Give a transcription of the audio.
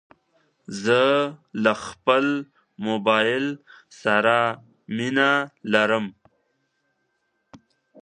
زه له خپل موبایل سره مینه لرم.